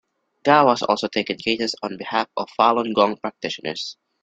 Gao has also taken cases on behalf of Falun Gong practitioners.